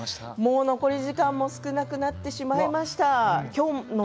残り時間も少なくなってしまいました。